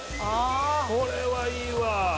これはいいわ。